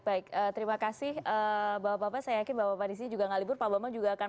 baik terima kasih bapak bapak saya yakin bapak di sini juga gak libur pak bambang juga akan